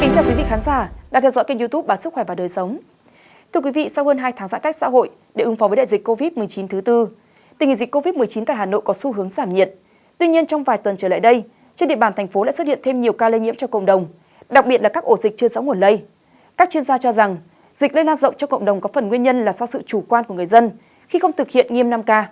các bạn hãy đăng ký kênh để ủng hộ kênh của chúng mình nhé